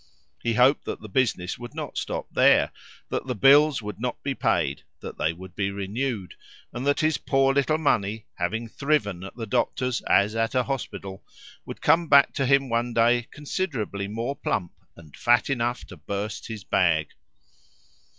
He hoped that the business would not stop there; that the bills would not be paid; that they would be renewed; and that his poor little money, having thriven at the doctor's as at a hospital, would come back to him one day considerably more plump, and fat enough to burst his bag.